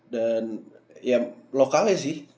dan ya lokalnya sih